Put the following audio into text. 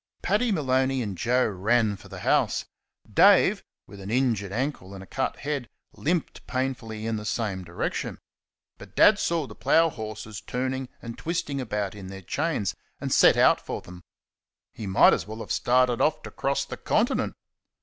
Paddy Maloney and Joe ran for the house; Dave, with an injured ankle and a cut head, limped painfully in the same direction; but Dad saw the plough horses turning and twisting about in their chains and set out for them. He might as well have started off the cross the continent.